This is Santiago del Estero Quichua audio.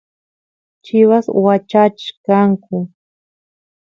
chivas wachachkanku